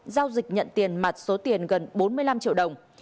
giao dịch nhận tiền mặt số tiền gần bốn mươi năm triệu đồng